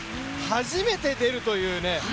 初めて出るという。